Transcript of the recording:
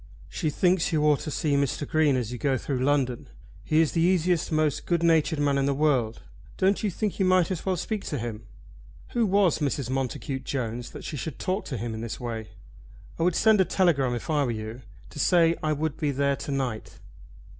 "She thinks you ought to see Mr. Green as you go through London. He is the easiest, most good natured man in the world. Don't you think you might as well speak to him?" Who was Mrs. Montacute Jones that she should talk to him in this way? "I would send a telegram if I were you, to say I would be there to night."